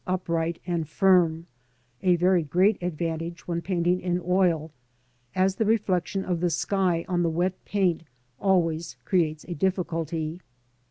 7 upright and firm — ^a very great advantage when painting in oil, as the reflection of the sky on the wet paint always creates a difficulty.